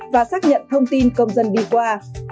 và xác nhận thông tin công dân đi qua